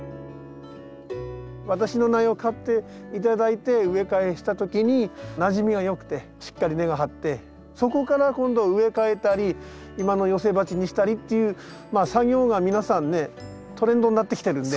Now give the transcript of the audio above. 私の苗を買って頂いて植え替えした時になじみが良くてしっかり根が張ってそこから今度植え替えたり今の寄せ鉢にしたりっていう作業が皆さんねトレンドになってきてるんで。